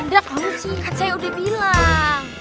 dek saya udah bilang